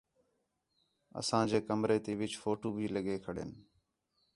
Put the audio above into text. اساں جے کمرے تے وِچ فوٹو بھی لڳے کھڑین